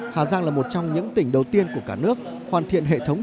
hà giang là một trong những tỉnh đầu tiên của cả nước hoàn thiện hệ thống